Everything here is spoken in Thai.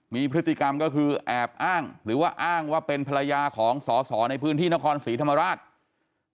มีพฤติกรรมก็คือแอบอ้างหรือว่าอ้างว่าเป็นภรรยาของสอสอในพื้นที่นครศรีธรรมราช